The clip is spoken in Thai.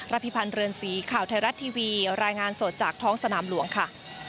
พิพันธ์เรือนสีข่าวไทยรัฐทีวีรายงานสดจากท้องสนามหลวงค่ะ